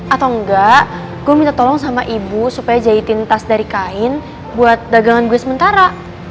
atau enggak gue minta tolong sama ibu supaya jahitin tas dari kain buat dagangan gue sementara